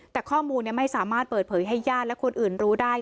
แต่ข้อมูลไม่สามารถเปิดเผยให้ญาติและคนอื่นรู้ได้